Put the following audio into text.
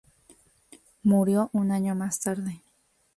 Murió un año más tarde.